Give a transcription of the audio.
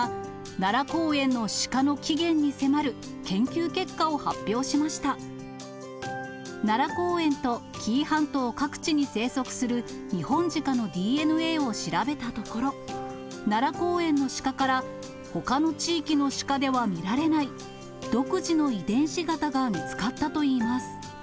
奈良公園と紀伊半島各地に生息するニホンジカのＤＮＡを調べたところ、奈良公園のシカから、ほかの地域のシカでは見られない、独自の遺伝子型が見つかったといいます。